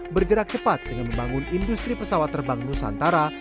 bergerak cepat dengan membangun industri pesawat terbang nusantara